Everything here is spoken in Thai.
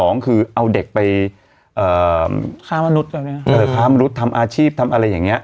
สองคือเอาเด็กไปเอ่อค้ามนุษย์แบบงี้เออค้ามนุษย์ทำอาชีพทำอัลเมลี้อย่างเงี้ย